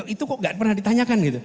itu kok nggak pernah ditanyakan gitu